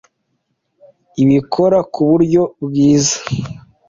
ibikora ku buryo bwiza